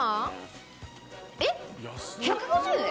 えっ１５０円？